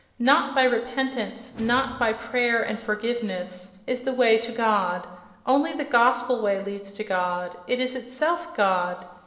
Not by "repentance," not by "prayer and forgiveness" is the way to God: only the Gospel way leads to God—it is itself "God!"